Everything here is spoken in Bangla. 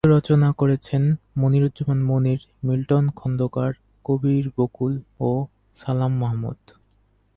গীত রচনা করেছেন মনিরুজ্জামান মনির, মিল্টন খন্দকার, কবির বকুল ও সালাম মাহমুদ।